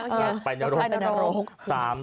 สะพานอารมณ์